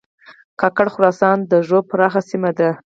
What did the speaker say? کاکړ خراسان د ږوب پراخه سیمه ده